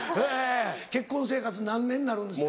結婚生活何年になるんですか？